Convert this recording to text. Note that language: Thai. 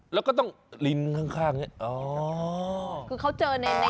เราก็ต้องครั้งข้างเนี่ยอ๋อเขาเจอในผ้วยอ่ะ